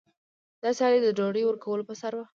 دا سیالي د ډوډۍ ورکولو په سر وه.